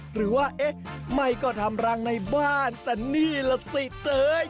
หรือว่าเอ๊ะไม่ก็ทำรังในบ้านแต่นี่ล่ะสิเต้ย